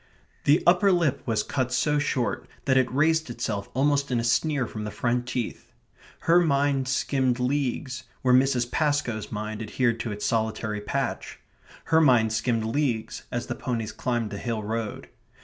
The upper lip was cut so short that it raised itself almost in a sneer from the front teeth. Her mind skimmed leagues where Mrs. Pascoe's mind adhered to its solitary patch. Her mind skimmed leagues as the ponies climbed the hill road.